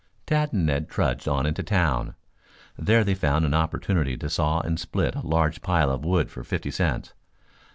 Tad and Ned trudged on into town. There they found an opportunity to saw and split a large pile of wood for fifty cents.